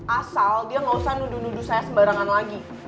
asal dia gak usah nudu nudu saya sembarangan lagi